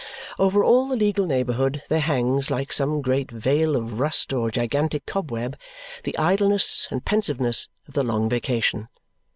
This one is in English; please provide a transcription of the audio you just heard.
Over all the legal neighbourhood there hangs, like some great veil of rust or gigantic cobweb, the idleness and pensiveness of the long vacation.